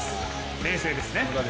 冷静ですね。